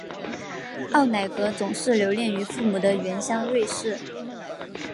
奥乃格总是留恋于父母的原乡瑞士。